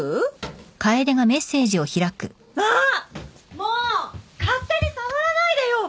もう勝手に触らないでよ！